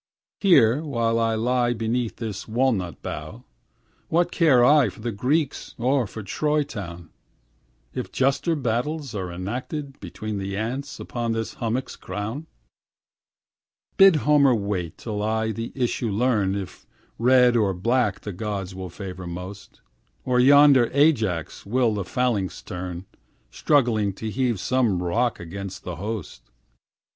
Here while I lie beneath this walnut bough, What care I for the Greeks or for Troy town, If juster battles are enacted now Between the ants upon this hummock's crown? Bid Homer wait till I the issue learn, If red or black the gods will favor most, Or yonder Ajax will the phalanx turn, Struggling to heave some rock against the host.